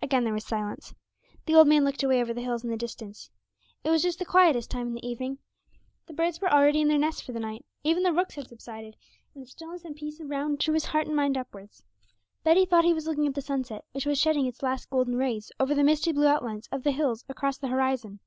Again there was silence; the old man looked away over the hills in the distance. It was just the quietest time in the evening; the birds were already in their nests for the night, even the rooks had subsided; and the stillness and peace around drew his heart and mind upwards. Betty thought he was looking at the sunset, which was shedding its last golden rays over the misty blue outlines of the hills across the horizon.